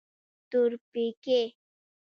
تورپيکۍ.